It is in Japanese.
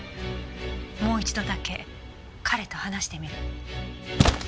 もう一度だけ彼と話してみる。